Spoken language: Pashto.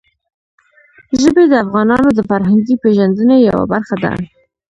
ژبې د افغانانو د فرهنګي پیژندنې یوه برخه ده.